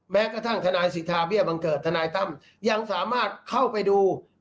แม้กระทั่งทนายสิทธาเบี้ยบังเกิดทนายตั้มยังสามารถเข้าไปดู